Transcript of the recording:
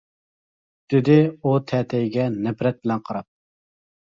-دېدى ئۇ تەتەيگە نەپرەت بىلەن قاراپ.